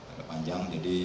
agak panjang jadi